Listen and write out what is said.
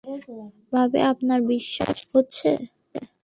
ভাবি, আপনার বিশ্বাস হচ্ছে?